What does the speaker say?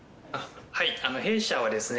はい弊社はですね